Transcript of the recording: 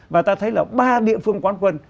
và ta thấy là ba địa phương quán quân